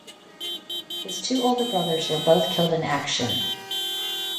His two older brothers were both killed in action.